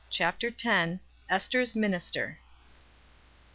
CHAPTER X. ESTER'S MINISTER.